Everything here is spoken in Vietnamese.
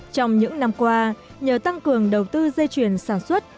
trong những năm qua nhờ tăng cường đầu tư dây chuyền sản xuất